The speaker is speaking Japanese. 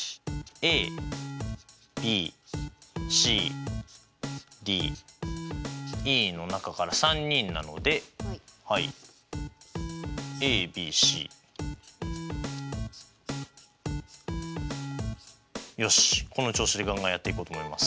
ＡＢＣＤＥの中から３人なのでよしこの調子でガンガンやっていこうと思います。